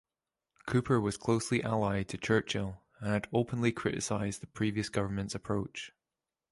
Cooper was closely allied to Churchill and had openly criticised the previous government's approach.